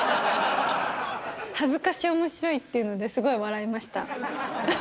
恥ずかしおもしろいっていうので、すごい笑いました。